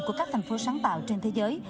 của các thành phố sáng tạo trên thế giới